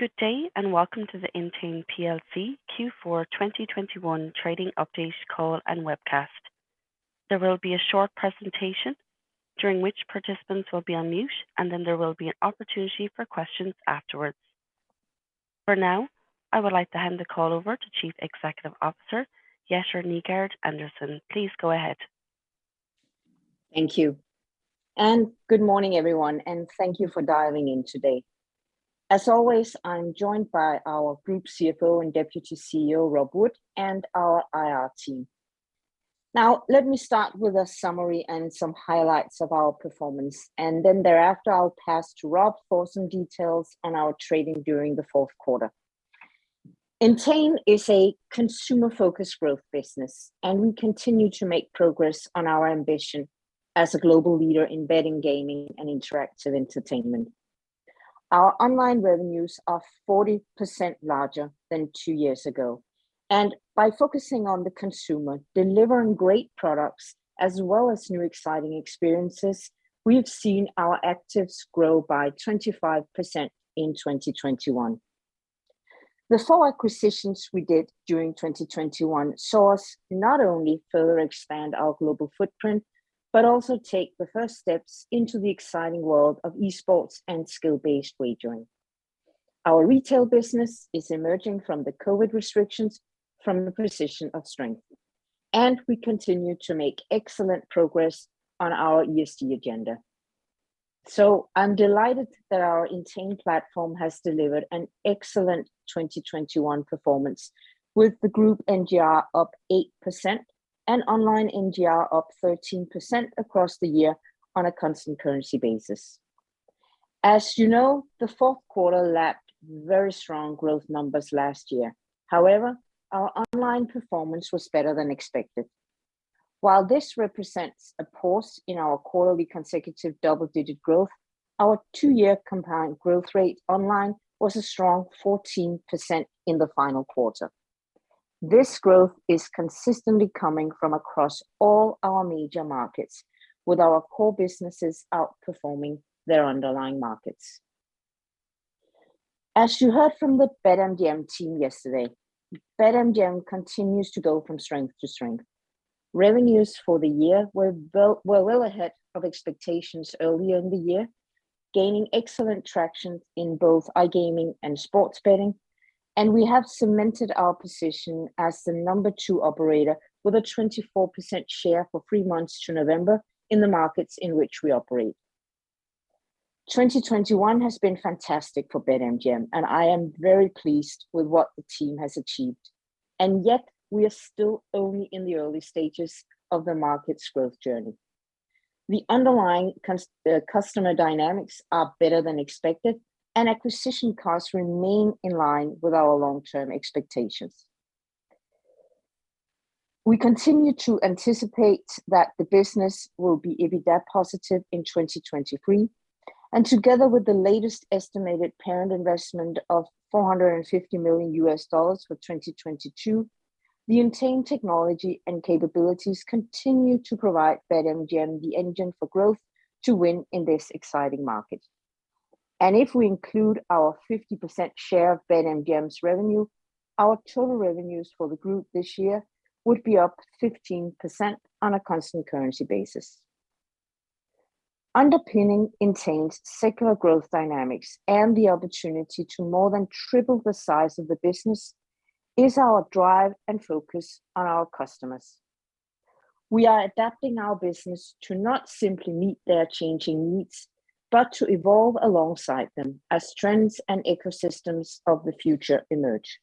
Good day, and welcome to the Entain plc Q4 2021 trading update call and webcast. There will be a short presentation during which participants will be on mute, and then there will be an opportunity for questions afterwards. For now, I would like to hand the call over to Chief Executive Officer, Jette Nygaard-Andersen. Please go ahead. Thank you. Good morning, everyone, and thank you for dialing in today. As always, I'm joined by our Group CFO and Deputy CEO, Rob Wood, and our IR team. Now, let me start with a summary and some highlights of our performance, and then thereafter I'll pass to Rob for some details on our trading during the fourth quarter. Entain is a consumer-focused growth business, and we continue to make progress on our ambition as a global leader in betting, gaming and interactive entertainment. Our online revenues are 40% larger than two years ago, and by focusing on the consumer, delivering great products as well as new exciting experiences, we have seen our actives grow by 25% in 2021. The four acquisitions we did during 2021 saw us not only further expand our global footprint, but also take the first steps into the exciting world of esports and skill-based wagerings. Our retail business is emerging from the COVID restrictions from a position of strength, and we continue to make excellent progress on our ESG agenda. I'm delighted that our Entain platform has delivered an excellent 2021 performance with the group NGR up 8% and online NGR up 13% across the year on a constant currency basis. As you know, the fourth quarter lapped very strong growth numbers last year. However, our online performance was better than expected. While this represents a pause in our quarterly consecutive double-digit growth, our two-year compound growth rate online was a strong 14% in the final quarter. This growth is consistently coming from across all our major markets, with our core businesses outperforming their underlying markets. As you heard from the BetMGM team yesterday, BetMGM continues to go from strength to strength. Revenues for the year were well ahead of expectations earlier in the year, gaining excellent traction in both iGaming and sports betting, and we have cemented our position as the number two operator with a 24% share for three months to November in the markets in which we operate. 2021 has been fantastic for BetMGM, and I am very pleased with what the team has achieved, and yet we are still only in the early stages of the market's growth journey. The underlying customer dynamics are better than expected, and acquisition costs remain in line with our long-term expectations. We continue to anticipate that the business will be EBITDA positive in 2023, and together with the latest estimated parent investment of $450 million for 2022, the Entain technology and capabilities continue to provide BetMGM the engine for growth to win in this exciting market. If we include our 50% share of BetMGM's revenue, our total revenues for the group this year would be up 15% on a constant currency basis. Underpinning Entain's secular growth dynamics and the opportunity to more than triple the size of the business is our drive and focus on our customers. We are adapting our business to not simply meet their changing needs, but to evolve alongside them as trends and ecosystems of the future emerge.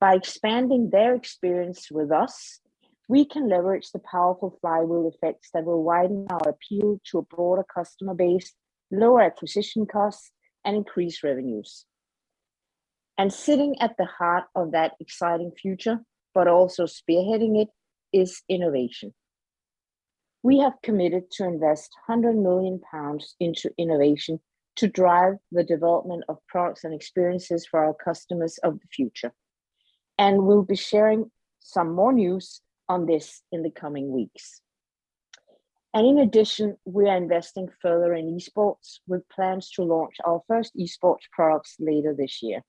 By expanding their experience with us, we can leverage the powerful flywheel effects that will widen our appeal to a broader customer base, lower acquisition costs, and increase revenues. Sitting at the heart of that exciting future, but also spearheading it, is innovation. We have committed to invest 100 million pounds into innovation to drive the development of products and experiences for our customers of the future, and we'll be sharing some more news on this in the coming weeks. In addition, we are investing further in esports with plans to launch our first esports products later this year.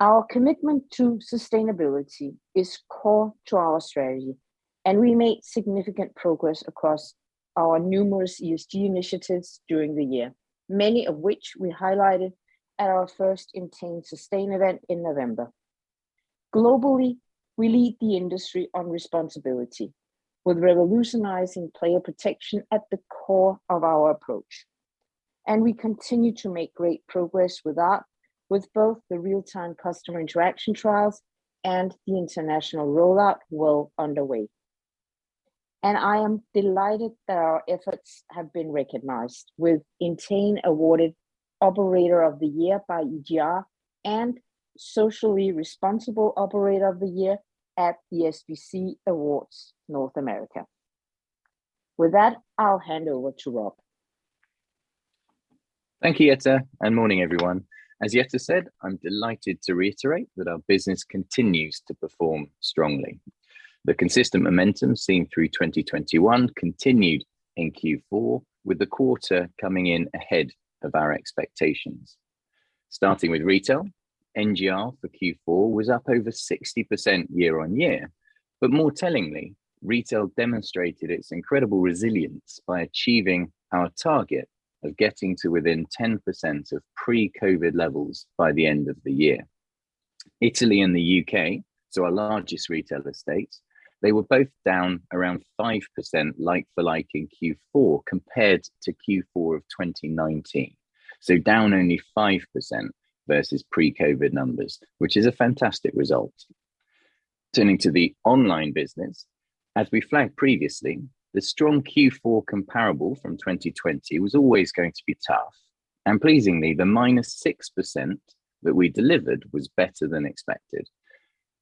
Our commitment to sustainability is core to our strategy, and we made significant progress across our numerous ESG initiatives during the year, many of which we highlighted at our first Entain Sustain event in November. Globally, we lead the industry on responsibility with revolutionizing player protection at the core of our approach, and we continue to make great progress with that, with both the real-time customer interaction trials and the international rollout well underway. I am delighted that our efforts have been recognized with Entain awarded Operator of the Year by EGR and Socially Responsible Operator of the Year at the SBC Awards North America. With that, I'll hand over to Rob. Thank you, Jette, and good morning everyone. As Jette said, I'm delighted to reiterate that our business continues to perform strongly. The consistent momentum seen through 2021 continued in Q4, with the quarter coming in ahead of our expectations. Starting with retail, NGR for Q4 was up over 60% year-over-year, but more tellingly, retail demonstrated its incredible resilience by achieving our target of getting to within 10% of pre-COVID levels by the end of the year. Italy and the U.K., so our largest retail estates, they were both down around 5% like for like in Q4 compared to Q4 of 2019. Down only 5% versus pre-COVID numbers, which is a fantastic result. Turning to the online business, as we flagged previously, the strong Q4 comparable from 2020 was always going to be tough. Pleasingly, the -6% that we delivered was better than expected.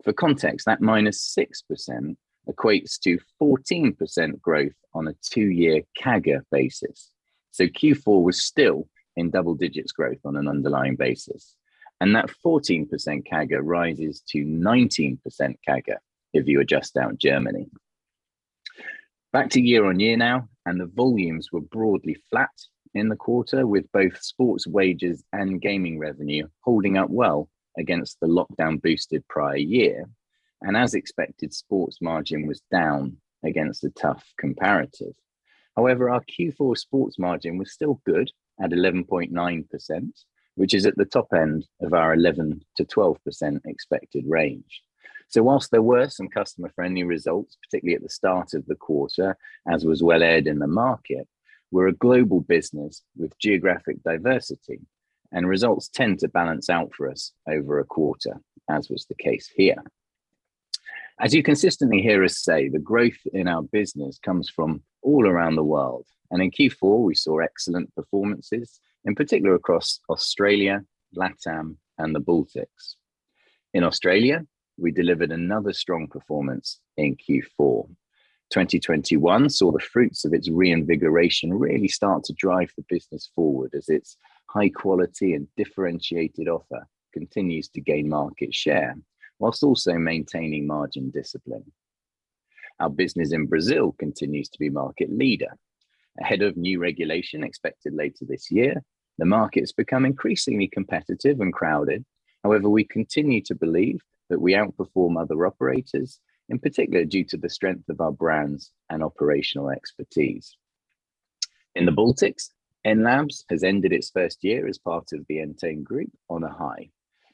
For context, that -6% equates to 14% growth on a two-year CAGR basis. Q4 was still in double-digit growth on an underlying basis, and that 14% CAGR rises to 19% CAGR if you adjust out Germany. Back to year-on-year now, and the volumes were broadly flat in the quarter with both sports wagers and gaming revenue holding up well against the lockdown-boosted prior year. As expected, sports margin was down against a tough comparative. However, our Q4 sports margin was still good at 11.9%, which is at the top end of our 11%-12% expected range. While there were some customer-friendly results, particularly at the start of the quarter, as was well aired in the market, we're a global business with geographic diversity, and results tend to balance out for us over a quarter, as was the case here. As you consistently hear us say, the growth in our business comes from all around the world, and in Q4 we saw excellent performances, in particular across Australia, LATAM, and the Baltics. In Australia, we delivered another strong performance in Q4. 2021 saw the fruits of its reinvigoration really start to drive the business forward as its high quality and differentiated offer continues to gain market share while also maintaining margin discipline. Our business in Brazil continues to be market leader. Ahead of new regulation expected later this year, the market has become increasingly competitive and crowded. However, we continue to believe that we outperform other operators, in particular due to the strength of our brands and operational expertise. In the Baltics, Enlabs has ended its first year as part of the Entain group on a high.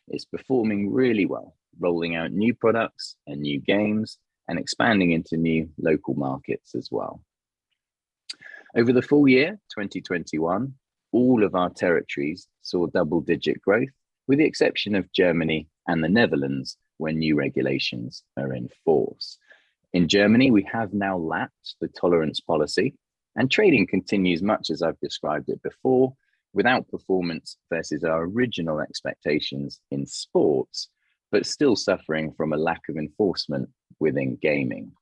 It's performing really well, rolling out new products and new games, and expanding into new local markets as well. Over the full year, 2021, all of our territories saw double-digit growth, with the exception of Germany and the Netherlands, where new regulations are in force. In Germany, we have now lapped the tolerance policy and trading continues much as I've described it before, with outperformance versus our original expectations in sports, but still suffering from a lack of enforcement within gaming.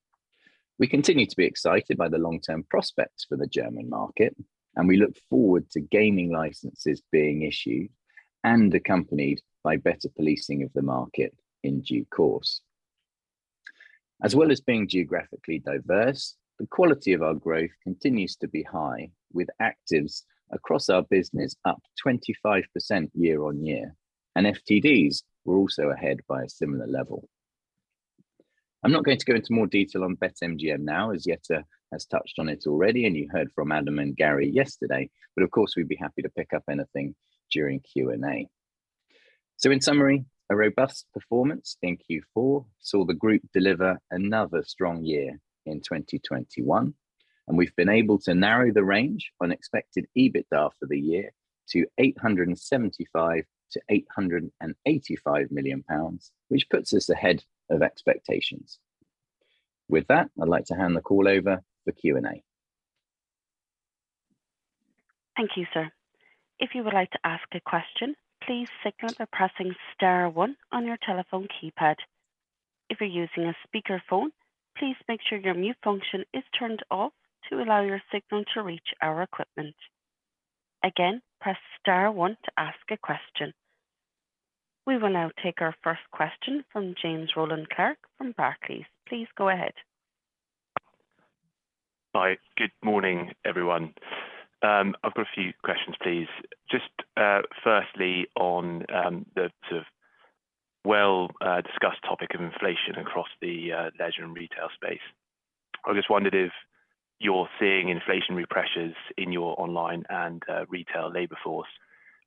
We continue to be excited by the long-term prospects for the German market, and we look forward to gaming licenses being issued and accompanied by better policing of the market in due course. As well as being geographically diverse, the quality of our growth continues to be high, with actives across our business up 25% year-on-year, and FTDs were also ahead by a similar level. I'm not going to go into more detail on BetMGM now, as Jette has touched on it already and you heard from Adam and Gary yesterday, but of course, we'd be happy to pick up anything during Q&A. In summary, a robust performance in Q4 saw the group deliver another strong year in 2021, and we've been able to narrow the range on expected EBITDA for the year to 875 million-885 million pounds, which puts us ahead of expectations. With that, I'd like to hand the call over for Q&A. Thank you, sir. If you would like to ask a question, please signal by pressing star one on your telephone keypad. If you're using a speakerphone, please make sure your mute function is turned off to allow your signal to reach our equipment. Again, press star one to ask a question. We will now take our first question from James Rowland Clark from Barclays. Please go ahead. Hi. Good morning, everyone. I've got a few questions, please. Just firstly on the well discussed topic of inflation across the leisure and retail space. I just wondered if you're seeing inflationary pressures in your online and retail labor force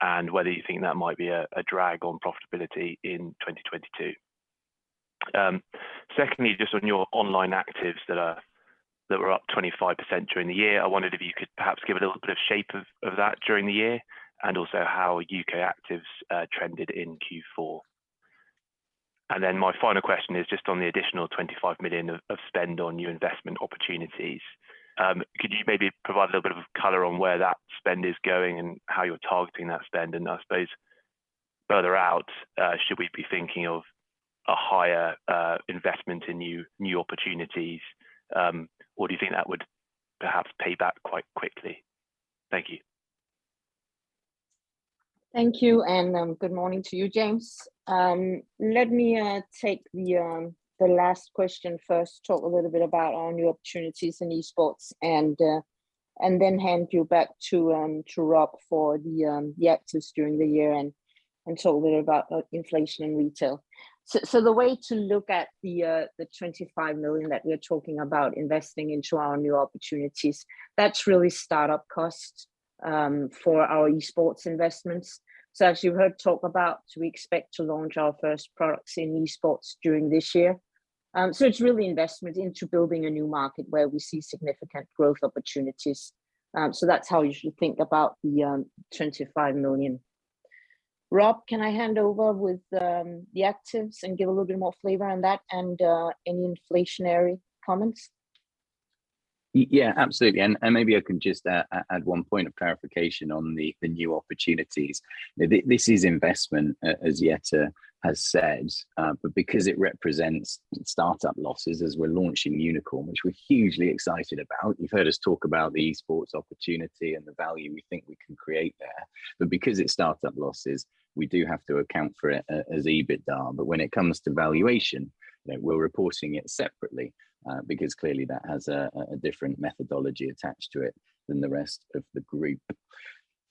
and whether you think that might be a drag on profitability in 2022. Secondly, just on your online actives that were up 25% during the year, I wondered if you could perhaps give a little bit of shape of that during the year and also how U.K. actives trended in Q4. Then my final question is just on the additional 25 million of spend on new investment opportunities. Could you maybe provide a little bit of color on where that spend is going and how you're targeting that spend? I suppose further out, should we be thinking of a higher investment in new opportunities? Or do you think that would perhaps pay back quite quickly? Thank you. Thank you and good morning to you, James. Let me take the last question first, talk a little bit about our new opportunities in esports and hand you back to Rob for the actives during the year and talk a little about inflation in retail. The way to look at the 25 million that we're talking about investing into our new opportunities, that's really start-up costs for our esports investments. As you heard talk about, we expect to launch our first products in esports during this year. It's really investment into building a new market where we see significant growth opportunities. That's how you should think about the 25 million. Rob, can I hand over with the actives and give a little bit more flavor on that and any inflationary comments? Yeah, absolutely. Maybe I can just add one point of clarification on the new opportunities. This is investment, as Jette has said, but because it represents start-up losses as we're launching Unikrn, which we're hugely excited about. You've heard us talk about the esports opportunity and the value we think we can create there. But because it's start-up losses, we do have to account for it as EBITDA. But when it comes to valuation, you know, we're reporting it separately, because clearly that has a different methodology attached to it than the rest of the group.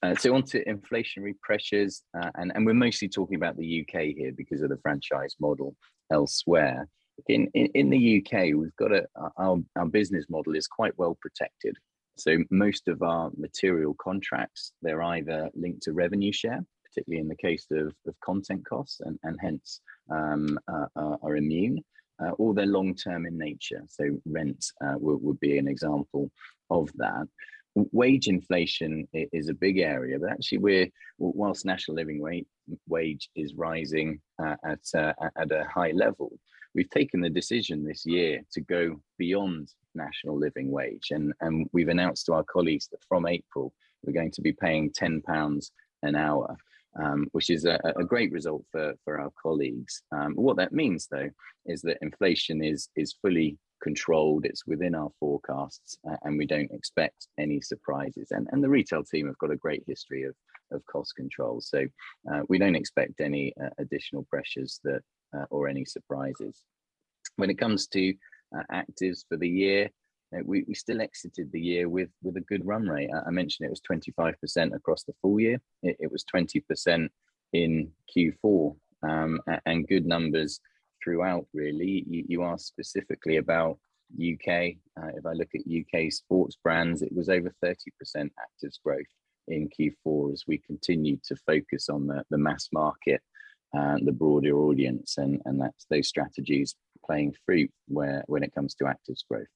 Onto inflationary pressures, and we're mostly talking about the U.K. here because of the franchise model elsewhere. In the U.K., we've got a, our business model is quite well protected, so most of our material contracts, they're either linked to revenue share, particularly in the case of content costs and hence are immune, or they're long-term in nature, so rent would be an example of that. Wage inflation is a big area, but actually, while National Living Wage is rising at a high level, we've taken the decision this year to go beyond National Living Wage and we've announced to our colleagues that from April, we're going to be paying 10 pounds an hour, which is a great result for our colleagues. What that means, though, is that inflation is fully controlled. It's within our forecasts and we don't expect any surprises. The retail team have got a great history of cost control. We don't expect any additional pressures there or any surprises. When it comes to actives for the year, we still exited the year with a good run rate. I mentioned it was 25% across the full year. It was 20% in Q4. And good numbers throughout really. You asked specifically about U.K. If I look at U.K. sports brands, it was over 30% actives growth in Q4 as we continue to focus on the mass market, the broader audience, and those strategies bearing fruit when it comes to actives growth.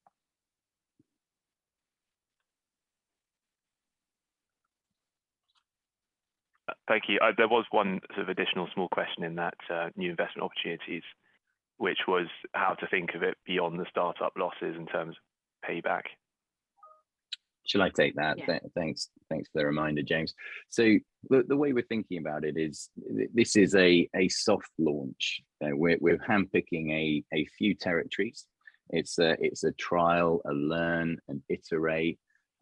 Thank you. There was one sort of additional small question in that, new investment opportunities, which was how to think of it beyond the start-up losses in terms of payback. Shall I take that? Yeah. Thanks for the reminder, James. The way we're thinking about it is this is a soft launch. We're handpicking a few territories. It's a trial, a learn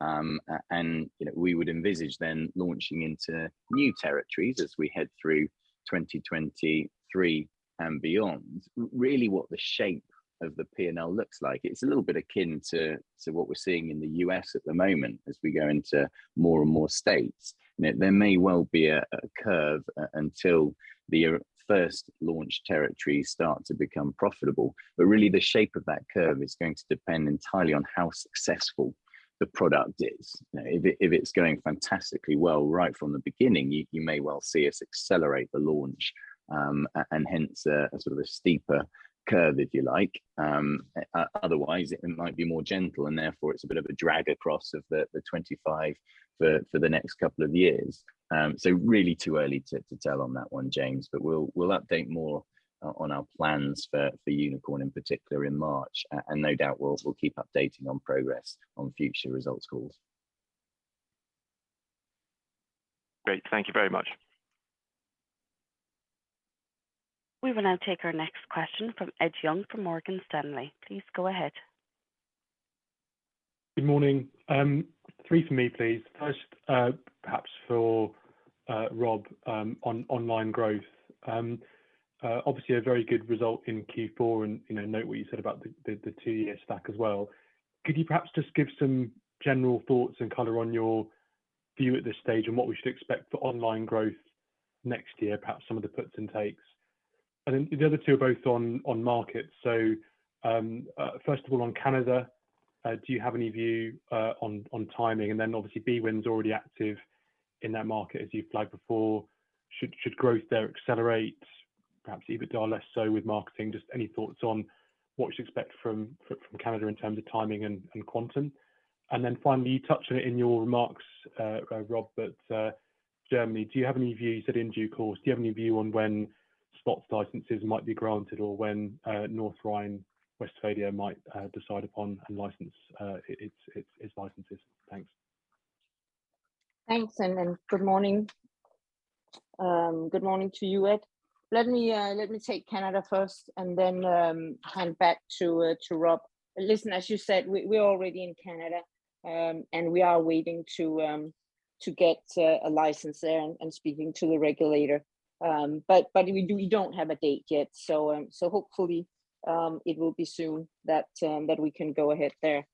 and iterate, you know, we would envisage then launching into new territories as we head through 2023 and beyond. Really what the shape of the P&L looks like, it's a little bit akin to what we're seeing in the U.S. at the moment as we go into more and more states. You know, there may well be a curve until the first launch territories start to become profitable. Really the shape of that curve is going to depend entirely on how successful the product is. You know, if it's going fantastically well right from the beginning, you may well see us accelerate the launch, and hence a sort of steeper curve, if you like. Otherwise it might be more gentle, and therefore it's a bit of a drag across the 25 for the next couple of years. So really too early to tell on that one, James. We'll update more on our plans for Unikrn in particular in March. No doubt we'll keep updating on progress on future results calls. Great. Thank you very much. We will now take our next question from Ed Young from Morgan Stanley. Please go ahead. Good morning. Three for me, please. First, perhaps for Rob, on online growth. Obviously a very good result in Q4 and, you know, note what you said about the two-year stack as well. Could you perhaps just give some general thoughts and color on your view at this stage and what we should expect for online growth next year? Perhaps some of the puts and takes. The other two are both on markets. First of all, on Canada, do you have any view on timing? Then obviously Bwin is already active in that market, as you flagged before. Should growth there accelerate, perhaps EBITDA less so with marketing? Just any thoughts on what we should expect from Canada in terms of timing and quantum? Then finally, you touched on it in your remarks, Rob, but Germany, do you have any views, you said in due course. Do you have any view on when sports licenses might be granted or when North Rhine-Westphalia might decide upon and license its licenses? Thanks. Thanks, good morning. Good morning to you, Ed. Let me take Canada first and then hand back to Rob. Listen, as you said, we're already in Canada, and we are waiting to To get a license there and speaking to the regulator. We don't have a date yet. Hopefully it will be soon that we can go ahead there.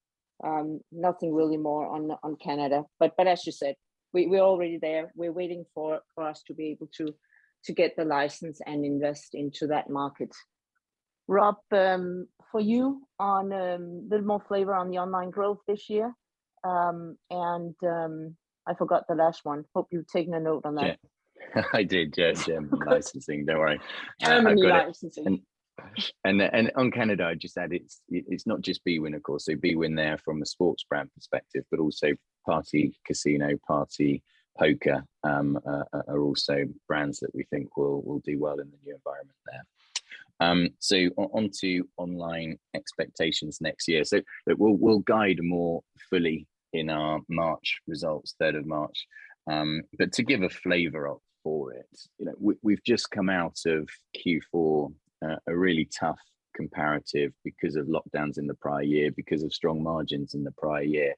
Nothing really more on Canada. As you said, we're already there. We're waiting for us to be able to get the license and invest into that market. Rob, for you on a little more flavor on the online growth this year, and I forgot the last one. Hope you've taken a note on that. Yeah. I did, yeah. Yeah, licensing, don't worry. I've got it. Germany licensing. On Canada, I'd just add it's not just Bwin, of course. bwin there from a sports brand perspective, but also PartyCasino, PartyPoker are also brands that we think will do well in the new environment there. Onto online expectations next year. We'll guide more fully in our March results, 3rd of March. But to give a flavor for it, you know, we've just come out of Q4, a really tough comparative because of lockdowns in the prior year, because of strong margins in the prior year.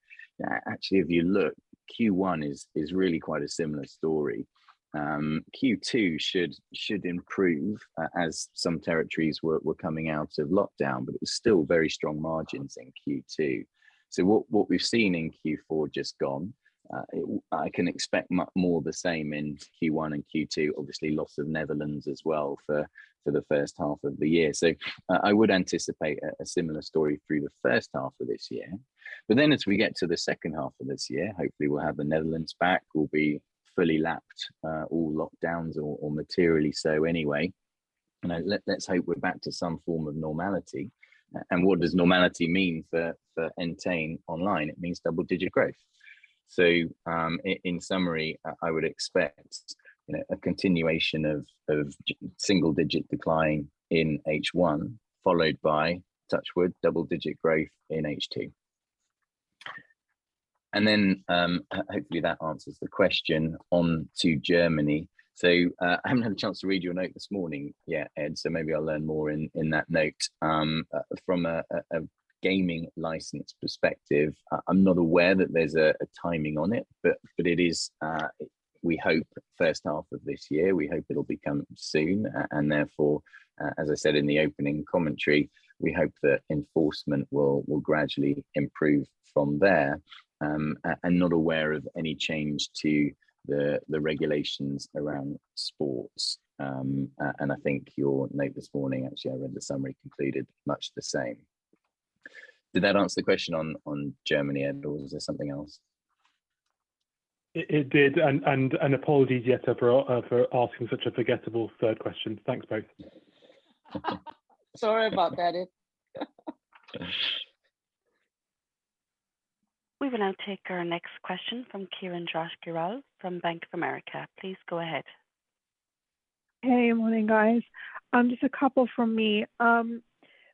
Actually, if you look, Q1 is really quite a similar story. Q2 should improve as some territories were coming out of lockdown, but it was still very strong margins in Q2. What we've seen in Q4 just gone, I can expect more of the same in Q1 and Q2, obviously loss of Netherlands as well for the first half of the year. I would anticipate a similar story through the first half of this year. Then as we get to the second half of this year, hopefully we'll have the Netherlands back, we'll be fully lapped, all lockdowns or materially so anyway. You know, let's hope we're back to some form of normality. What does normality mean for Entain online? It means double-digit growth. In summary, I would expect, you know, a continuation of just single-digit decline in H1, followed by, touch wood, double-digit growth in H2. Hopefully that answers the question. On to Germany. I haven't had a chance to read your note this morning yet, Ed, so maybe I'll learn more in that note. From a gaming license perspective, I'm not aware that there's a timing on it, but it is, we hope, first half of this year, we hope it'll be coming soon. Therefore, as I said in the opening commentary, we hope that enforcement will gradually improve from there. Not aware of any change to the regulations around sports. I think your note this morning, actually I read the summary, concluded much the same. Did that answer the question on Germany, Ed, or was there something else? It did and apologies, Jette, for asking such a forgettable third question. Thanks both. Sorry about that, Ed. We will now take our next question from Kiranjot Grewal from Bank of America. Please go ahead. Hey, morning guys. Just a couple from me.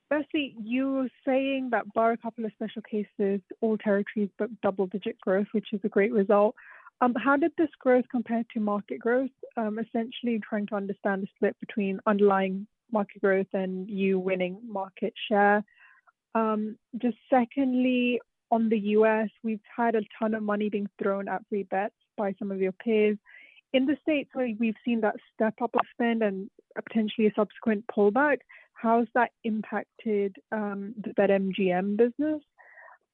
Firstly, you were saying that bar a couple of special cases, all territories booked double digit growth, which is a great result. How did this growth compare to market growth? Essentially trying to understand the split between underlying market growth and you winning market share. Just secondly, on the U.S., we've heard a ton of money being thrown at free bets by some of your peers. In the States, where we've seen that step-up of spend and potentially a subsequent pullback, how has that impacted the BetMGM business?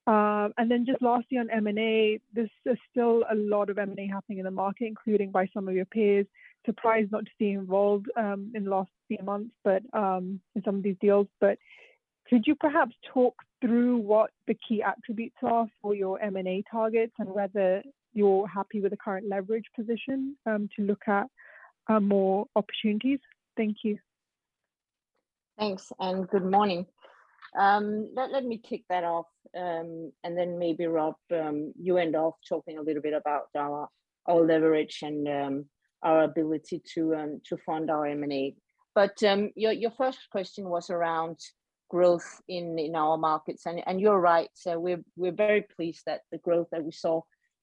And then just lastly on M&A, there's still a lot of M&A happening in the market, including by some of your peers. Surprised not to be involved in the last few months, but in some of these deals. Could you perhaps talk through what the key attributes are for your M&A targets and whether you're happy with the current leverage position to look at more opportunities? Thank you. Thanks, and good morning. Let me kick that off, and then maybe Rob, you end off talking a little bit about our leverage and our ability to fund our M&A. Your first question was around growth in our markets and you're right. We're very pleased that the growth that we saw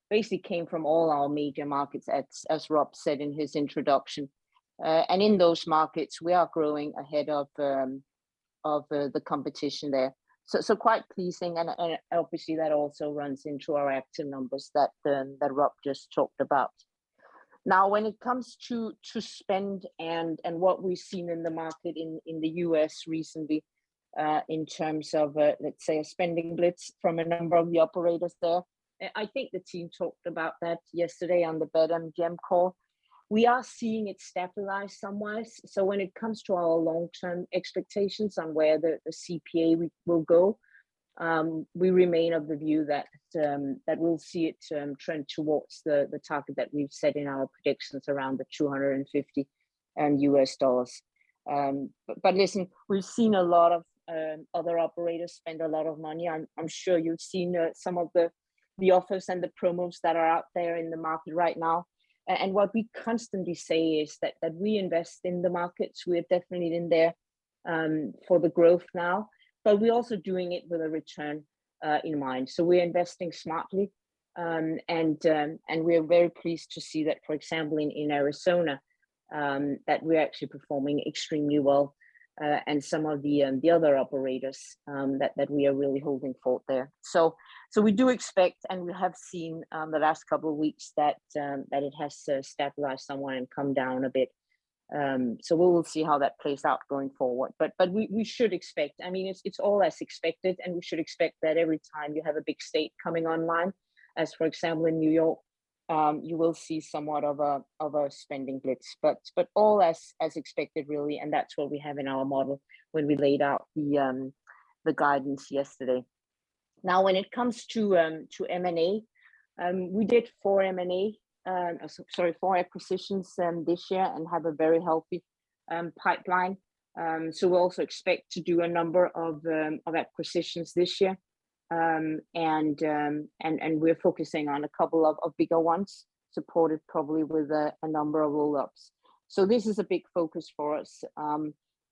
basically came from all our major markets, as Rob said in his introduction. In those markets, we are growing ahead of the competition there. Quite pleasing and obviously that also runs into our active numbers that Rob just talked about. Now when it comes to spend and what we've seen in the market in the U.S. recently, in terms of let's say a spending blitz from a number of the operators there, I think the team talked about that yesterday on the BetMGM call. We are seeing it stabilize somewhat. When it comes to our long-term expectations on where the CPA will go, we remain of the view that we'll see it trend towards the target that we've set in our predictions around $250. But listen, we've seen a lot of other operators spend a lot of money. I'm sure you've seen some of the offers and the promos that are out there in the market right now. What we constantly say is that we invest in the markets. We're definitely in there for the growth now, but we're also doing it with a return in mind. We're investing smartly. We're very pleased to see that, for example, in Arizona, we're actually performing extremely well and some of the other operators that we are really holding our own there. We do expect, and we have seen, the last couple of weeks that it has stabilized somewhat and come down a bit. We will see how that plays out going forward. We should expect I mean, it's all as expected, and we should expect that every time you have a big state coming online, as for example in New York, you will see somewhat of a spending blitz. But all as expected really, and that's what we have in our model when we laid out the guidance yesterday. Now when it comes to M&A, we did four M&A, sorry, four acquisitions, this year and have a very healthy pipeline. So we also expect to do a number of acquisitions this year. And we're focusing on a couple of bigger ones supported probably with a number of roll-ups. This is a big focus for us.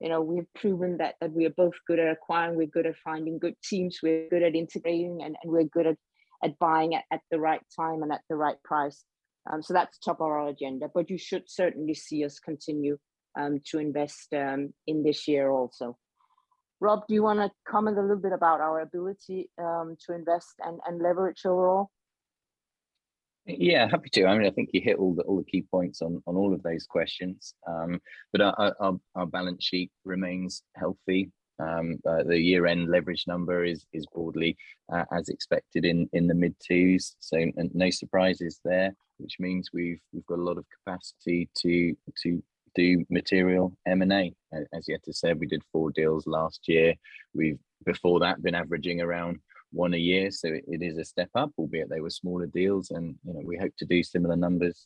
You know, we have proven that we are both good at acquiring, we're good at finding good teams, we're good at integrating, and we're good at buying at the right time and at the right price. That's top of our agenda. You should certainly see us continue to invest in this year also. Rob, do you wanna comment a little bit about our ability to invest and leverage overall? Yeah, happy to. I mean, I think you hit all the key points on all of those questions. But our balance sheet remains healthy. The year-end leverage number is broadly as expected in the mid-2s, so no surprises there, which means we've got a lot of capacity to do material M&A. As Jette said, we did four deals last year. We've before that been averaging around one a year, so it is a step up, albeit they were smaller deals and, you know, we hope to do similar numbers,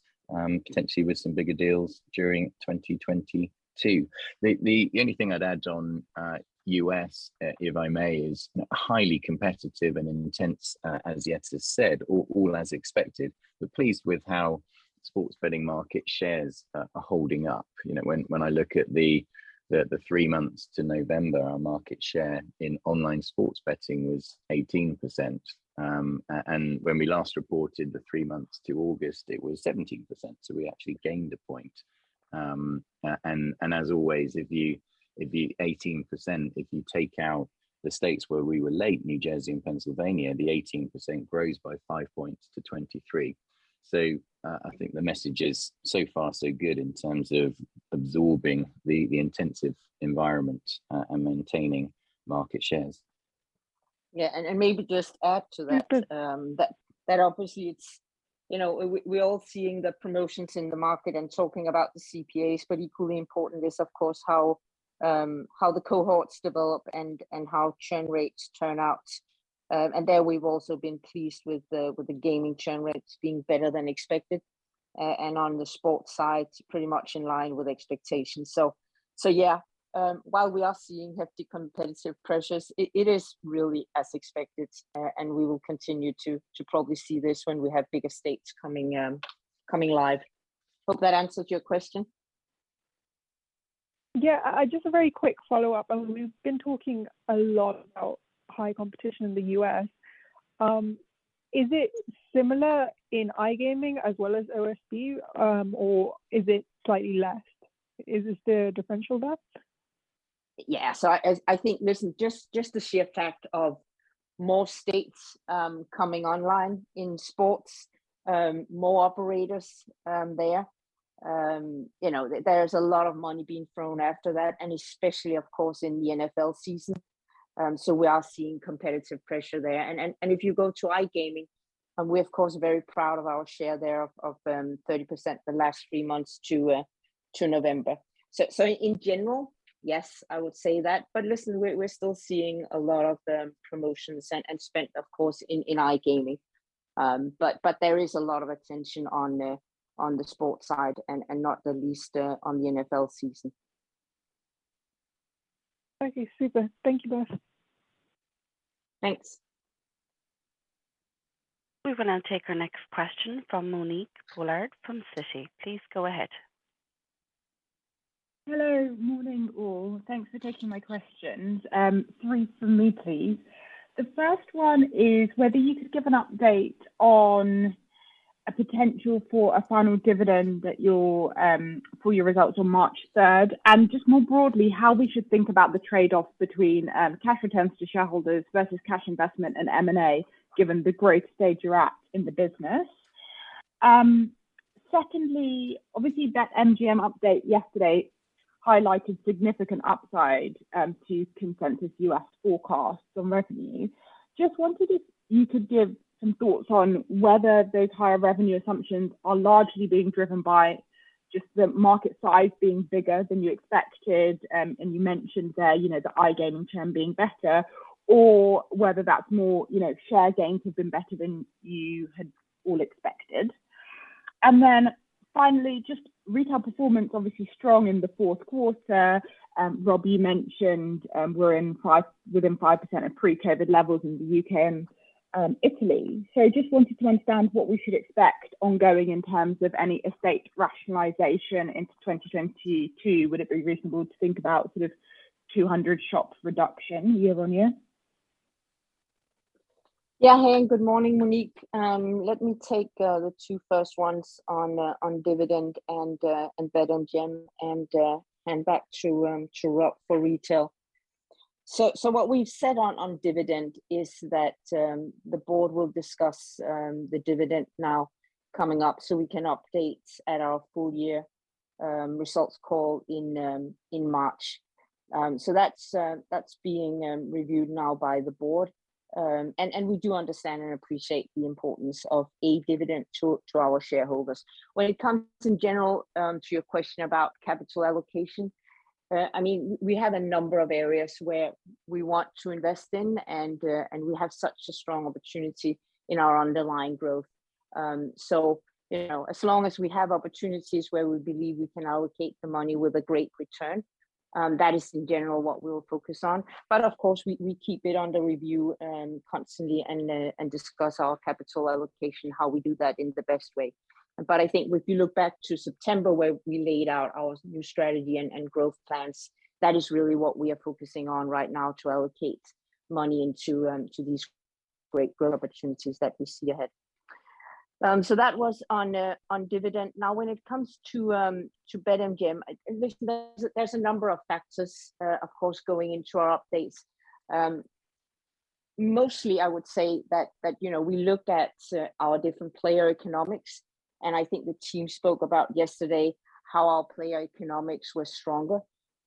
potentially with some bigger deals during 2022. The only thing I'd add on U.S., if I may, is in highly competitive and intense, as Jette has said, all as expected. We're pleased with how sports betting market shares are holding up. You know, when I look at the three months to November, our market share in online sports betting was 18%. And when we last reported the three months to August, it was 17%, so we actually gained a point. And as always, if you take the 18%, if you take out the states where we were late, New Jersey and Pennsylvania, the 18% grows by 5 points to 23%. I think the message is so far so good in terms of absorbing the intensive environment and maintaining market shares. Yeah. Maybe just add to that. Yeah, please. That obviously, you know, we're all seeing the promotions in the market and talking about the CPAs, but equally important is, of course, how the cohorts develop and how churn rates turn out. There we've also been pleased with the gaming churn rates being better than expected. On the sports side, pretty much in line with expectations. Yeah, while we are seeing hefty competitive pressures, it is really as expected. We will continue to probably see this when we have bigger states coming live. Hope that answered your question. Yeah. Just a very quick follow-up. We've been talking a lot about high competition in the U.S. Is it similar in iGaming as well as OSB, or is it slightly less? Is this the differential there? Yeah. I think listen, just the sheer fact of more states coming online in sports, more operators there, you know, there's a lot of money being thrown after that, and especially of course in the NFL season. We are seeing competitive pressure there. If you go to iGaming, we of course are very proud of our share there of 30% the last three months to November. In general, yes, I would say that. Listen, we're still seeing a lot of promotions and spent of course in iGaming. There is a lot of attention on the sports side and not the least on the NFL season. Okay. Super. Thank you both. Thanks. We will now take our next question from Monique Pollard from Citi. Please go ahead. Hello. Morning, all. Thanks for taking my questions. Three from me, please. The first one is whether you could give an update on a potential for a final dividend for your results on March 3rd. Just more broadly, how we should think about the trade-off between cash returns to shareholders versus cash investment and M&A, given the growth stage you're at in the business. Secondly, obviously that MGM update yesterday highlighted significant upside to consensus U.S. forecasts on revenue. Just wondered if you could give some thoughts on whether those higher revenue assumptions are largely being driven by just the market size being bigger than you expected, and you mentioned there, you know, the iGaming churn being better, or whether that's more, you know, share gains have been better than you had all expected. Finally, just retail performance obviously strong in the fourth quarter. Rob, you mentioned we're within 5% of pre-COVID levels in the U.K. and Italy. Just wanted to understand what we should expect ongoing in terms of any estate rationalization into 2022. Would it be reasonable to think about sort of 200 shops reduction year-on-year? Yeah. Hey, good morning, Monique. Let me take the first two on dividend and BetMGM, and hand back to Rob for retail. What we've said on dividend is that the board will discuss the dividend now coming up, so we can update at our full year results call in March. That's being reviewed now by the board. We do understand and appreciate the importance of a dividend to our shareholders. In general, to your question about capital allocation, I mean, we have a number of areas where we want to invest in and we have such a strong opportunity in our underlying growth. You know, as long as we have opportunities where we believe we can allocate the money with a great return, that is in general what we will focus on. Of course, we keep it under review constantly and discuss our capital allocation, how we do that in the best way. I think if you look back to September where we laid out our new strategy and growth plans, that is really what we are focusing on right now to allocate money into to these great growth opportunities that we see ahead. That was on dividend. Now, when it comes to BetMGM, listen, there's a number of factors, of course, going into our updates. Mostly I would say that, you know, we looked at our different player economics, and I think the team spoke about yesterday how our player economics were stronger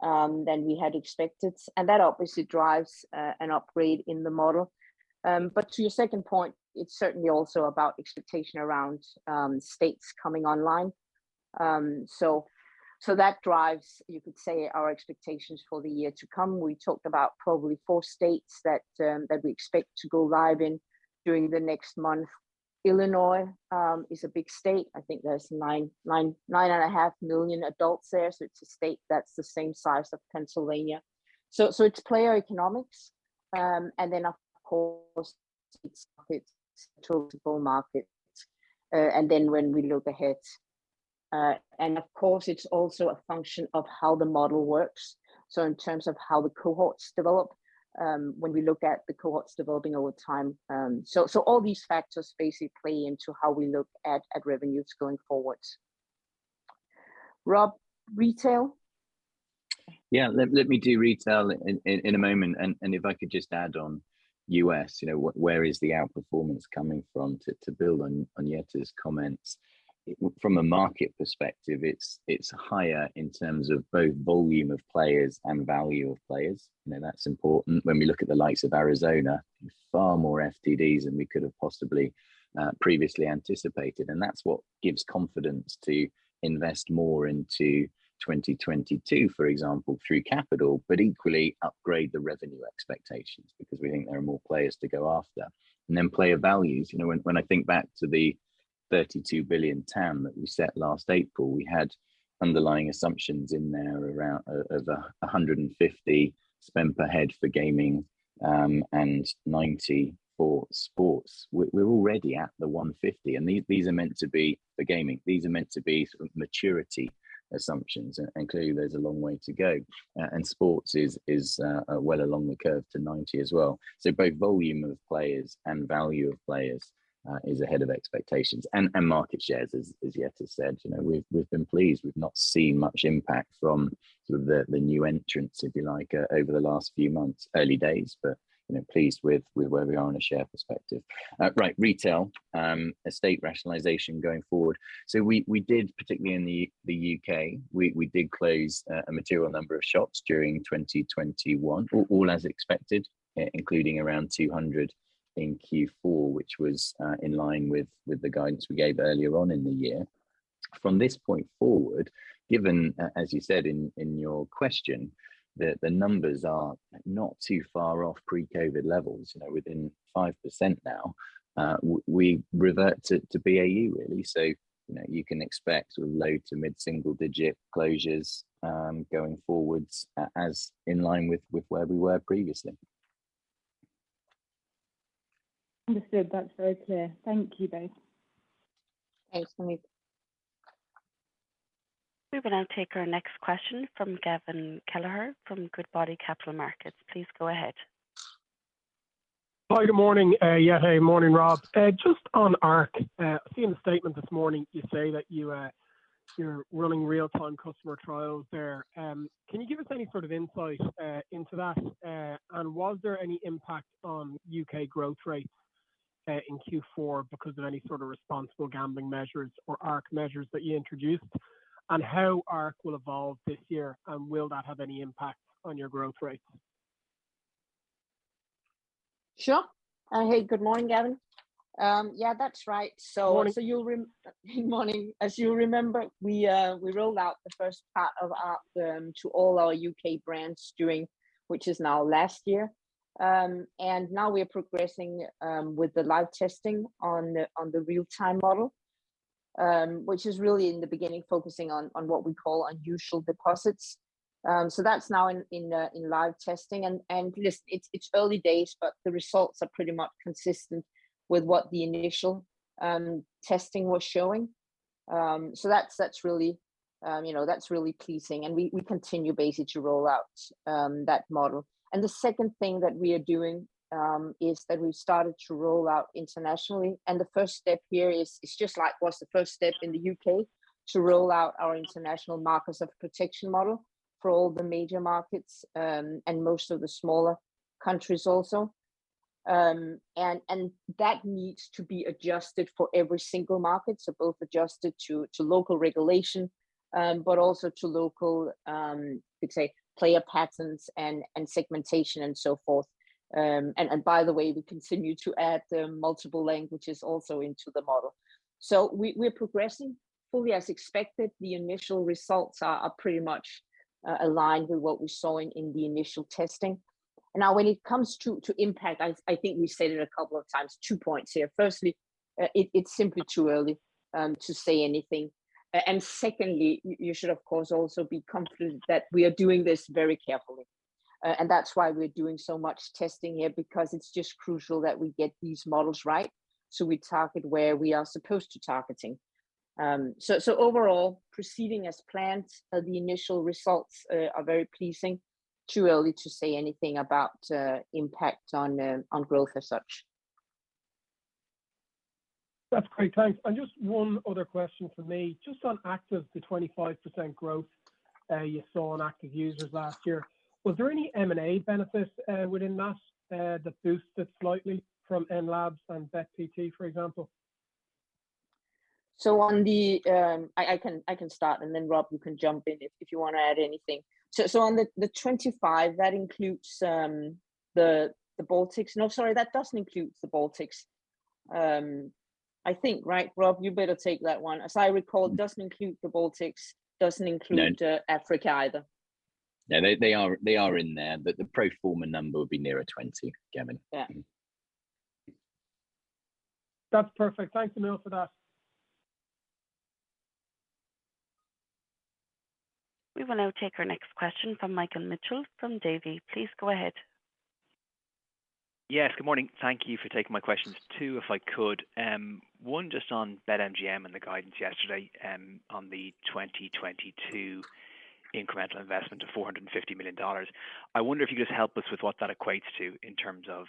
than we had expected. That obviously drives an upgrade in the model. To your second point, it's certainly also about expectation around states coming online. That drives, you could say, our expectations for the year to come. We talked about probably four states that we expect to go live in during the next month. Illinois is a big state. I think there's 9.5 million adults there, so it's a state that's the same size of Pennsylvania. It's player economics, and then of course it's total market. When we look ahead, of course it's also a function of how the model works. In terms of how the cohorts develop, when we look at the cohorts developing over time, all these factors factor into how we look at revenues going forward. Rob, retail? Yeah. Let me do retail in a moment. If I could just add on U.S., you know, where is the outperformance coming from to build on Jette's comments. From a market perspective, it's higher in terms of both volume of players and value of players. You know, that's important when we look at the likes of Arizona, far more FTDs than we could have possibly previously anticipated. That's what gives confidence to invest more into 2022, for example, through capital. Equally upgrade the revenue expectations, because we think there are more players to go after, then player values. You know, when I think back to the 32 billion TAM that we set last April, we had underlying assumptions in there around of 150 spend per head for gaming, and 90 for sports. We're already at the 150, and these are meant to be the gaming. These are meant to be sort of maturity assumptions. Clearly there's a long way to go. Sports is well along the curve to 90 as well. So both volume of players and value of players is ahead of expectations. Market shares, as Jette has said. You know, we've been pleased. We've not seen much impact from sort of the new entrants, if you like, over the last few months. Early days, but you know, pleased with where we are in a share perspective. Right, retail estate rationalization going forward. We did, particularly in the U.K., close a material number of shops during 2021. All as expected, including around 200 in Q4, which was in line with the guidance we gave earlier on in the year. From this point forward, given as you said in your question, the numbers are not too far off pre-COVID levels, you know, within 5% now. We revert to BAU really. You know, you can expect sort of low to mid single digit closures going forward as in line with where we were previously. Understood. That's very clear. Thank you both. Thanks, Monique. We're gonna take our next question from Gavin Kelleher from Goodbody Capital Markets. Please go ahead. Hi, good morning, Jette. Morning, Rob. Just on ARC, I've seen the statement this morning. You say that you're running real-time customer trials there. Can you give us any sort of insight into that? Was there any impact on U.K. growth rates in Q4 because of any sort of responsible gambling measures or ARC measures that you introduced? How ARC will evolve this year, and will that have any impact on your growth rates? Sure. Hey, good morning, Gavin. Yeah, that's right. Morning Morning. As you remember, we rolled out the first part of ARC to all our U.K. brands during, which is now last year. Now we're progressing with the live testing on the real-time model, which is really in the beginning focusing on what we call unusual deposits. That's now in live testing. Listen, it's early days, but the results are pretty much consistent with what the initial testing was showing. That's really, you know, that's really pleasing, and we continue basically to roll out that model. The second thing that we are doing is that we've started to roll out internationally, and the first step here is just like was the first step in the U.K. to roll out our international markets of protection model for all the major markets, and most of the smaller countries also. That needs to be adjusted for every single market, so both adjusted to local regulation, but also to local, let's say, player patterns and segmentation and so forth. By the way, we continue to add the multiple languages also into the model. We're progressing fully as expected. The initial results are pretty much aligned with what we saw in the initial testing. Now, when it comes to impact, I think we said it a couple of times, two points here. Firstly, it's simply too early to say anything. Secondly, you should, of course, also be confident that we are doing this very carefully. That's why we're doing so much testing here because it's just crucial that we get these models right, so we target where we are supposed to targeting. Overall, proceeding as planned. The initial results are very pleasing. Too early to say anything about impact on growth as such. That's great. Thanks. Just one other question from me. Just on active, the 25% growth you saw on active users last year. Was there any M&A benefits within that that boosted slightly from Enlabs and Bet.pt, for example? I can start, and then Rob, you can jump in if you wanna add anything. On the 25, that includes the Baltics. No, sorry, that doesn't include the Baltics. I think, right, Rob? You better take that one. As I recall, it doesn't include the Baltics. No. Africa either. Yeah, they are in there, but the pro forma number would be nearer 20, Kevin. Yeah. That's perfect. Thanks, Emil, for that. We will now take our next question from Michael Mitchell from Davy. Please go ahead. Yes. Good morning. Thank you for taking my questions, two, if I could. One just on BetMGM and the guidance yesterday, on the 2022 incremental investment of $450 million. I wonder if you could just help us with what that equates to in terms of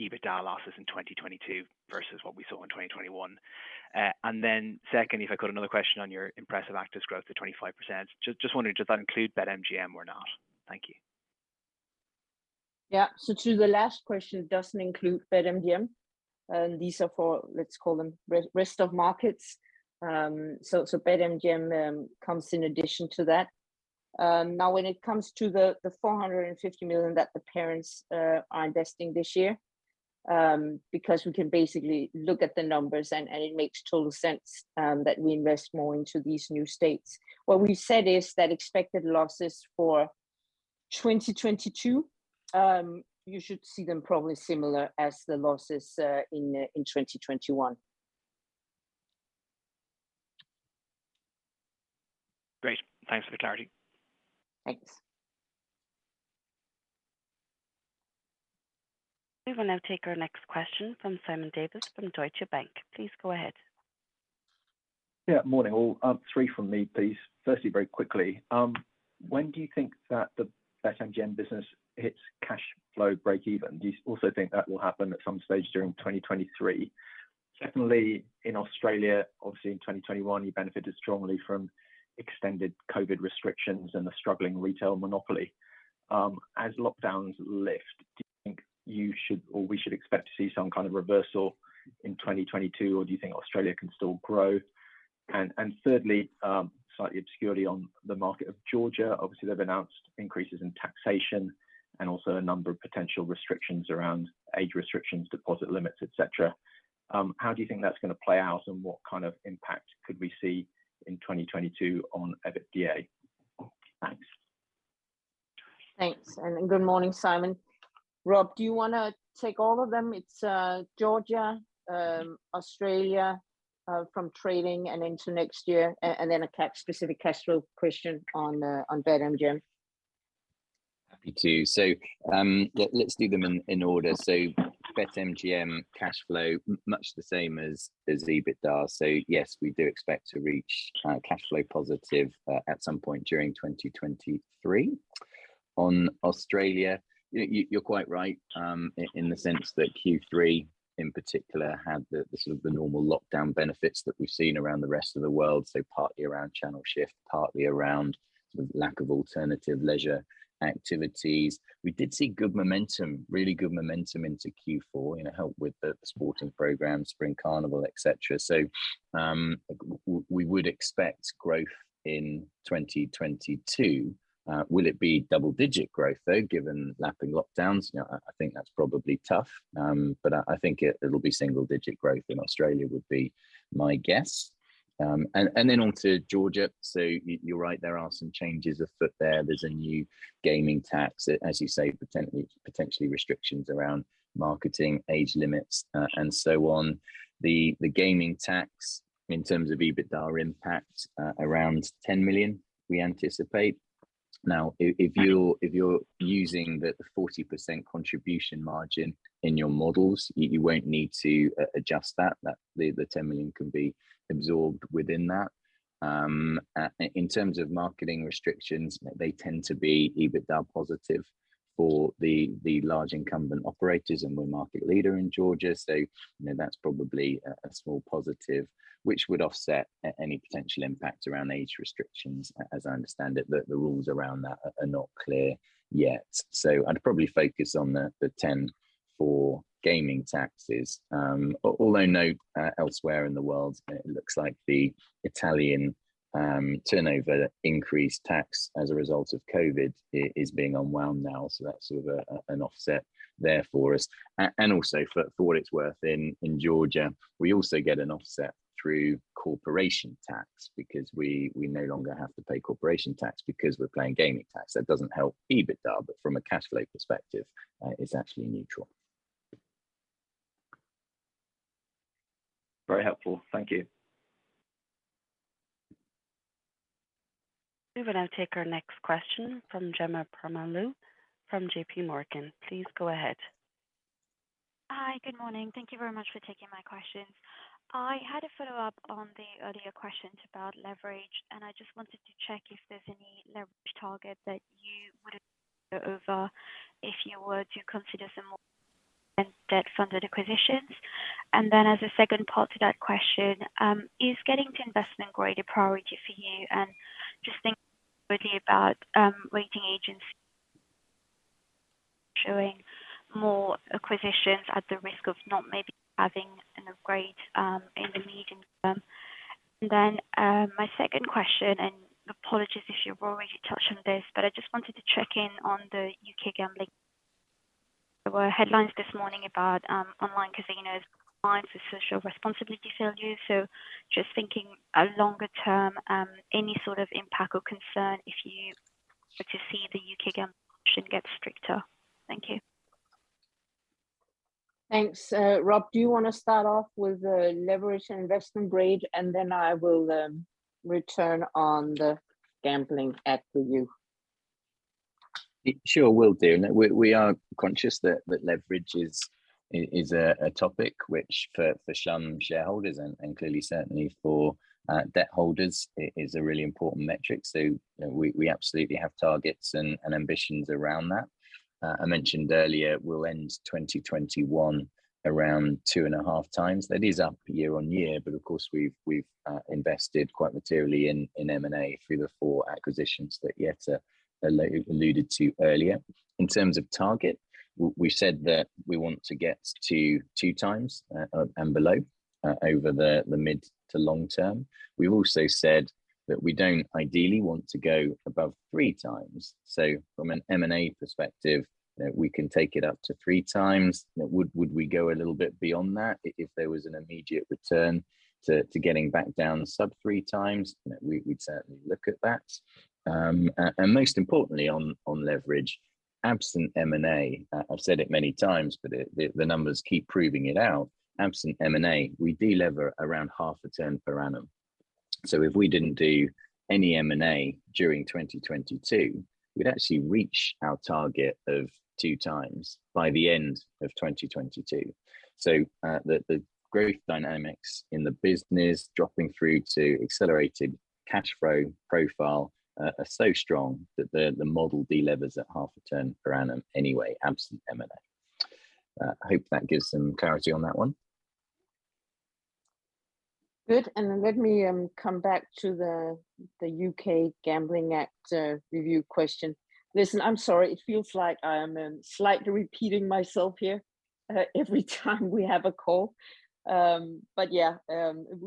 EBITDA losses in 2022 versus what we saw in 2021. And then second, if I could, another question on your impressive actives growth to 25%. Just wondering, does that include BetMGM or not? Thank you. To the last question, it doesn't include BetMGM. These are for, let's call them rest of markets. BetMGM comes in addition to that. Now when it comes to the $450 million that the parents are investing this year, because we can basically look at the numbers and it makes total sense, that we invest more into these new states. What we said is that expected losses for 2022, you should see them probably similar as the losses in 2021. Great. Thanks for the clarity. Thanks. We will now take our next question from Simon Davies from Deutsche Bank. Please go ahead. Yeah. Morning, all. Three from me, please. Firstly, very quickly, when do you think that the BetMGM business hits cash flow breakeven? Do you also think that will happen at some stage during 2023? Certainly in Australia, obviously in 2021, you benefited strongly from extended COVID restrictions and the struggling retail monopoly. As lockdowns lift, do you think you should or we should expect to see some kind of reversal in 2022, or do you think Australia can still grow? Thirdly, slight obscurity on the market of Georgia. Obviously, they've announced increases in taxation and also a number of potential restrictions around age restrictions, deposit limits, et cetera. How do you think that's gonna play out, and what kind of impact could we see in 2022 on EBITDA? Thanks. Thanks, and good morning, Simon. Rob, do you wanna take all of them? It's Georgia, Australia, from trading and into next year, and then a specific cash flow question on BetMGM. Happy to. Let's do them in order. BetMGM cash flow much the same as EBITDA. Yes, we do expect to reach cash flow positive at some point during 2023. On Australia, you're quite right, in the sense that Q3 in particular had the sort of normal lockdown benefits that we've seen around the rest of the world, so partly around channel shift, partly around sort of lack of alternative leisure activities. We did see good momentum, really good momentum into Q4, you know, helped with the sporting program, Spring Carnival, et cetera. We would expect growth in 2022. Will it be double digit growth, though, given lapping lockdowns? You know, I think that's probably tough. I think it'll be single-digit growth in Australia, would be my guess. Then onto Georgia. You're right, there are some changes afoot there. There's a new gaming tax, as you say, potentially restrictions around marketing, age limits, and so on. The gaming tax in terms of EBITDA impact, around 10 million, we anticipate. If you're using the 40% contribution margin in your models, you won't need to adjust that. The 10 million can be absorbed within that. In terms of marketing restrictions, they tend to be EBITDA positive for the large incumbent operators, and we're market leader in Georgia, you know, that's probably a small positive which would offset any potential impact around age restrictions. As I understand it, the rules around that are not clear yet. I'd probably focus on the 10% gaming taxes. Although now, elsewhere in the world, it looks like the Italian turnover tax increase as a result of COVID is being unwound now. That's sort of an offset there for us. And also, for what it's worth in Georgia, we also get an offset through corporation tax because we no longer have to pay corporation tax because we're paying gaming tax. That doesn't help EBITDA, but from a cash flow perspective, it's actually neutral. Very helpful. Thank you. We will now take our next question from Gemma Pramallu from JPMorgan. Please go ahead. Hi. Good morning. Thank you very much for taking my questions. I had a follow-up on the earlier questions about leverage, and I just wanted to check if there's any leverage target that you would go over if you were to consider some more debt-funded acquisitions. As a second part to that question, is getting to investment grade a priority for you? Just thinking really about, rating agencies showing more acquisitions at the risk of not maybe having an upgrade, in the medium term. My second question, and apologies if you've already touched on this, but I just wanted to check in on the U.K. Gambling. There were headlines this morning about, online casinos applying for social responsibility failures. Just thinking longer term, any sort of impact or concern if you were to see the U.K. Gambling Act get stricter? Thank you. Thanks. Rob, do you wanna start off with the leverage and investment grade, and then I will turn to the Gambling Act review? Sure will do. We are conscious that leverage is a topic which for some shareholders and clearly certainly for debt holders is a really important metric. We absolutely have targets and ambitions around that. I mentioned earlier we'll end 2021 around 2.5x. That is up year on year, but of course, we've invested quite materially in M&A through the four acquisitions that Jette alluded to earlier. In terms of target, we've said that we want to get to 2x and below over the mid to long term. We've also said that we don't ideally want to go above 3x. From an M&A perspective, we can take it up to 3x. Would we go a little bit beyond that if there was an immediate return to getting back down sub 3x? We'd certainly look at that. And most importantly on leverage, absent M&A, I've said it many times, but the numbers keep proving it out. Absent M&A, we delever around half a turn per annum. If we didn't do any M&A during 2022, we'd actually reach our target of 2x by the end of 2022. The growth dynamics in the business dropping through to accelerated cash flow profile are so strong that the model delevers at half a turn per annum anyway, absent M&A. I hope that gives some clarity on that one. Good. Let me come back to the U.K. Gambling Act review question. Listen, I'm sorry, it feels like I am slightly repeating myself here every time we have a call. Yeah,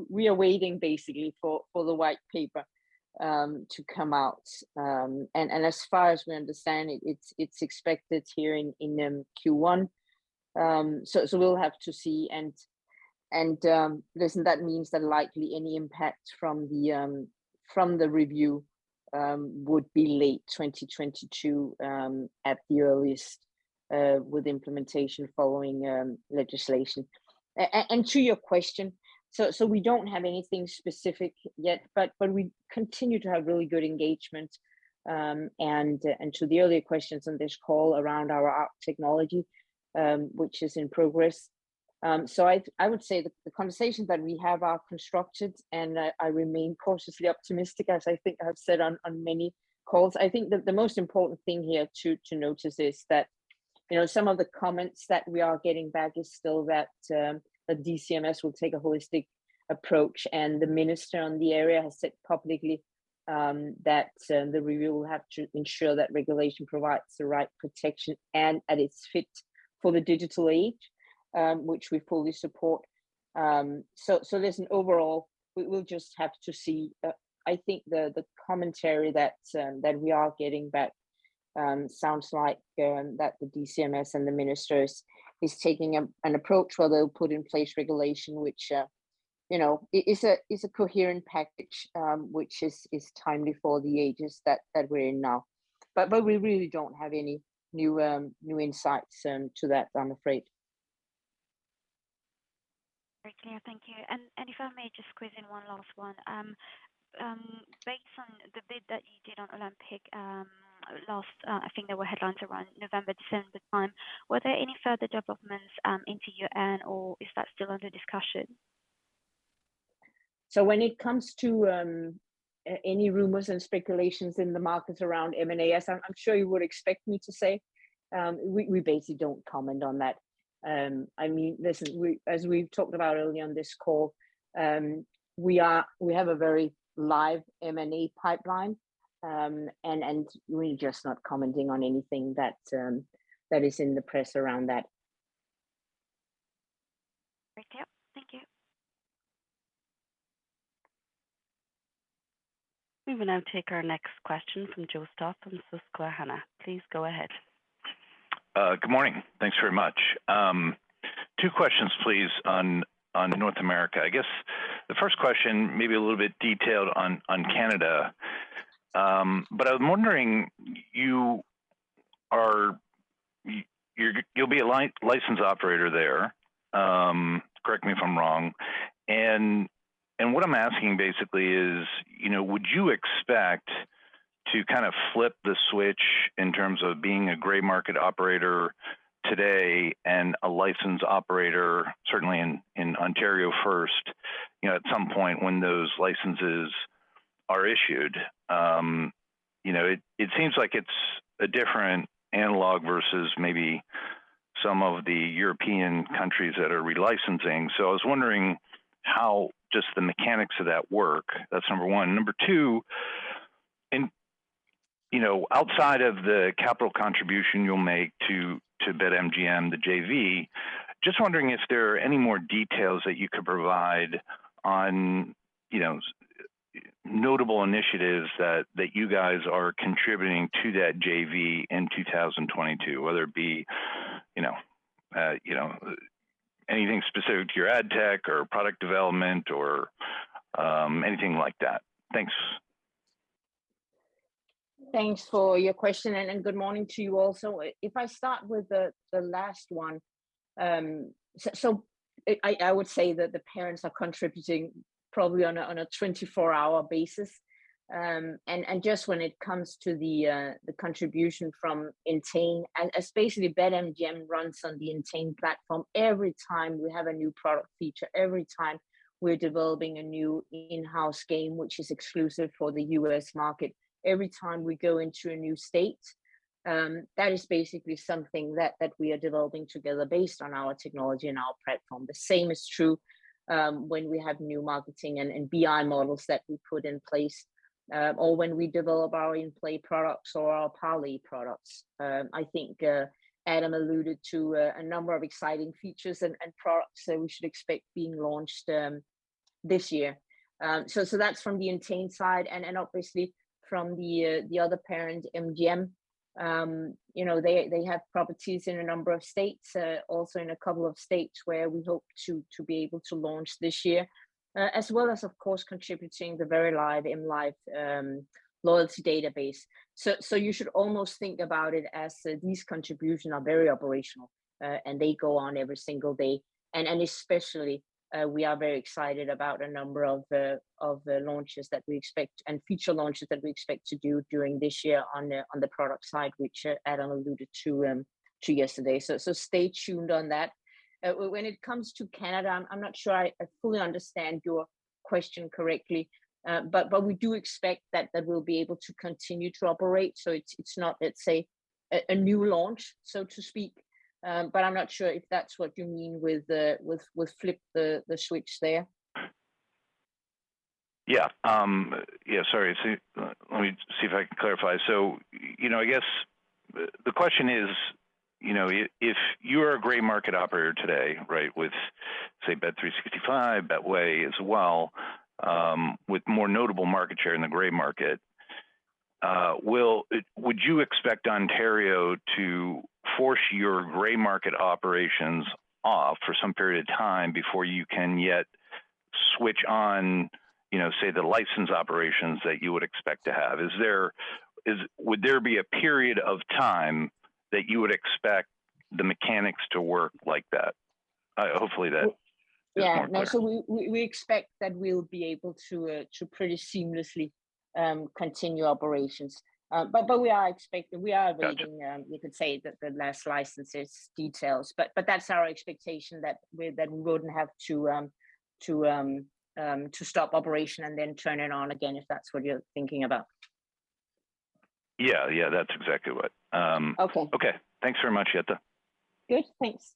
we are waiting basically for the white paper to come out. As far as we understand it's expected here in Q1. We'll have to see. Listen, that means that likely any impact from the review would be late 2022 at the earliest, with implementation following legislation. To your question, so we don't have anything specific yet, but we continue to have really good engagement. To the earlier questions on this call around our ops technology, which is in progress. I would say the conversations that we have are constructed, and I remain cautiously optimistic, as I think I've said on many calls. I think the most important thing here to notice is that, you know, some of the comments that we are getting back is still that the DCMS will take a holistic approach, and the minister on the area has said publicly that the review will have to ensure that regulation provides the right protection and that it's fit for the digital age, which we fully support. Listen, overall, we'll just have to see. I think the commentary that we are getting back sounds like that the DCMS and the ministers is taking an approach where they'll put in place regulation which, you know, is a coherent package, which is timely for the ages that we're in now. We really don't have any new insights to that, I'm afraid. Yeah. Thank you. If I may just squeeze in one last one. Based on the bid that you did on Olympic last, I think there were headlines around November, December time, were there any further developments on your end or is that still under discussion? When it comes to any rumors and speculations in the markets around M&A, as I'm sure you would expect me to say, we basically don't comment on that. I mean, as we've talked about earlier on this call, we have a very live M&A pipeline, and we're just not commenting on anything that is in the press around that. Great. Yeah. Thank you. We will now take our next question from Joseph Stauff from Susquehanna. Please go ahead. Good morning. Thanks very much. Two questions please on North America. I guess the first question may be a little bit detailed on Canada. I was wondering, you'll be a licensed operator there, correct me if I'm wrong, and what I'm asking basically is, you know, would you expect to kind of flip the switch in terms of being a gray market operator today and a licensed operator, certainly in Ontario first, you know, at some point when those licenses are issued? You know, it seems like it's a different analog versus maybe some of the European countries that are relicensing. I was wondering how just the mechanics of that work. That's number one. Number two, you know, outside of the capital contribution you'll make to BetMGM, the JV, just wondering if there are any more details that you could provide on, you know, notable initiatives that you guys are contributing to that JV in 2022, whether it be, you know, you know, anything specific to your ad tech or product development or, anything like that. Thanks. Thanks for your question and good morning to you also. If I start with the last one, I would say that the parents are contributing probably on a 24-hour basis. Just when it comes to the contribution from Entain and especially BetMGM runs on the Entain platform every time we have a new product feature, every time we're developing a new in-house game, which is exclusive for the U.S. market, every time we go into a new state, that is basically something that we are developing together based on our technology and our platform. The same is true when we have new marketing and BI models that we put in place or when we develop our in-play products or our parlay products. I think Adam alluded to a number of exciting features and products that we should expect being launched this year. That's from the Entain side and obviously from the other parent, MGM. You know, they have properties in a number of states, also in a couple of states where we hope to be able to launch this year, as well as, of course, contributing the very live M life loyalty database. You should almost think about it as these contributions are very operational, and they go on every single day. Especially, we are very excited about a number of the launches that we expect and future launches that we expect to do during this year on the product side, which Adam alluded to yesterday. Stay tuned on that. When it comes to Canada, I'm not sure I fully understand your question correctly. But we do expect that we'll be able to continue to operate. It's not, let's say a new launch, so to speak. But I'm not sure if that's what you mean with the flip the switch there. Let me see if I can clarify. You know, I guess the question is, you know, if you're a gray market operator today, right, with, say, bet365, Betway as well, with more notable market share in the gray market, would you expect Ontario to force your gray market operations off for some period of time before you can yet switch on, you know, say, the licensed operations that you would expect to have? Is there a period of time that you would expect the mechanics to work like that? Hopefully that is more clear. We expect that we'll be able to pretty seamlessly continue operations. But we are awaiting, you could say the last licenses details. That's our expectation that we wouldn't have to stop operation and then turn it on again if that's what you're thinking about. Yeah. That's exactly what. Okay. Okay. Thanks very much, Jette. Good. Thanks.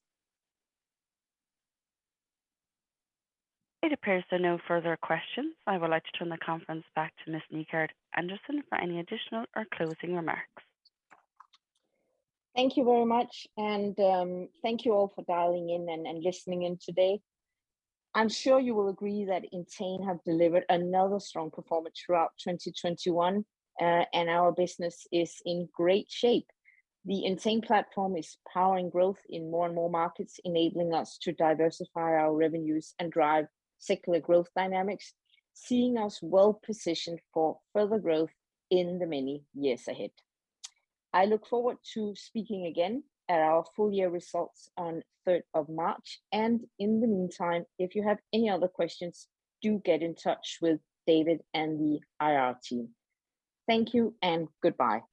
It appears there are no further questions. I would like to turn the conference back to Ms. Nygaard-Andersen for any additional or closing remarks. Thank you very much, and thank you all for dialing in and listening in today. I'm sure you will agree that Entain have delivered another strong performance throughout 2021, and our business is in great shape. The Entain platform is powering growth in more and more markets, enabling us to diversify our revenues and drive secular growth dynamics, seeing us well positioned for further growth in the many years ahead. I look forward to speaking again at our full year results on 3rd of March. In the meantime, if you have any other questions, do get in touch with David and the IR team. Thank you and goodbye.